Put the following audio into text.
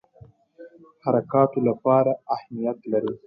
حرکاتو لپاره اهمیت لري.